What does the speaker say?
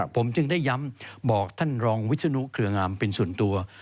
ผมจึงได้ย้ำบอกท่านรองวิศนุเครืองามเป็นส่วนตัว